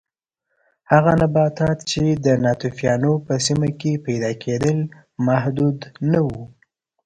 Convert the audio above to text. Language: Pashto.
هغه نباتات چې د ناتوفیانو په سیمه کې پیدا کېدل محدود نه و